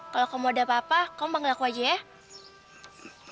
kalau kamu ada apa apa kamu panggil aku aja ya